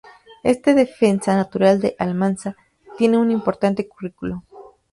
Este defensa natural de Almansa, tiene un importante currículum.